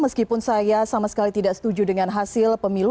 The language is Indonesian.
meskipun saya sama sekali tidak setuju dengan hasil pemilu